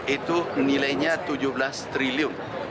itu nilainya tujuh belas triliun